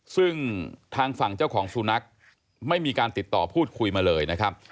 ซึ่งทางฝั่งเจ้าของสุนัขไม่มีการติดต่อพูดคุยมาเลยนะครับ